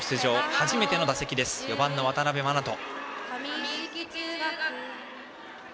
初めての打席、４番の渡辺眞翔。